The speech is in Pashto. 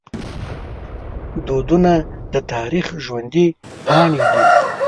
دودونه د تاریخ ژوندي پاڼې دي.